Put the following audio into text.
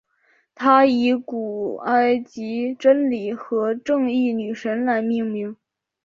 它以古埃及真理和正义女神来命名。